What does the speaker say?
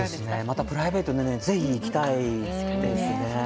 またプライベートでぜひ行きたいですね。